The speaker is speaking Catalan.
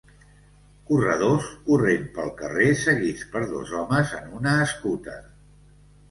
Corredors corrent pel carrer seguits per dos homes en una escúter.